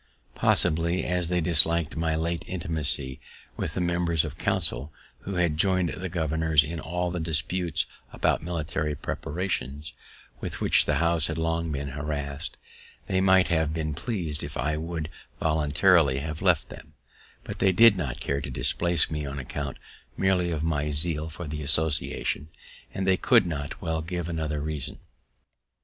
Possibly, as they dislik'd my late intimacy with the members of council, who had join'd the governors in all the disputes about military preparations, with which the House had long been harass'd, they might have been pleas'd if I would voluntarily have left them; but they did not care to displace me on account merely of my zeal for the association, and they could not well give another reason.